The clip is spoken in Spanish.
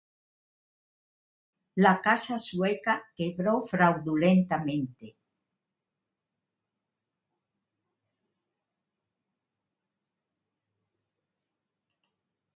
La casa sueca quebró fraudulentamente.